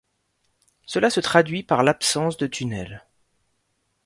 Cela se traduit par l'absence de tunnels.